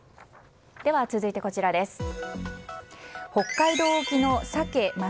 では、続いてこちらです。